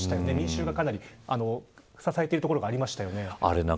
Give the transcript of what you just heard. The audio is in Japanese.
民衆がかなり支えてるところがありますね。